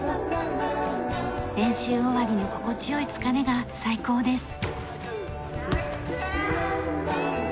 練習終わりの心地よい疲れが最高です。